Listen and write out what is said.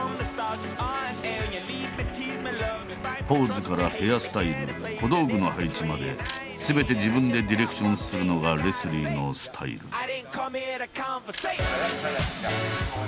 ポーズからヘアスタイル小道具の配置まですべて自分でディレクションするのがレスリーのスタイル。